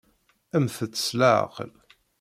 Mmtet s leɛqel!